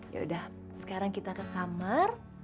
yaudah sekarang kita ke kamar